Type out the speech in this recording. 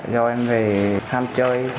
do em về tham chơi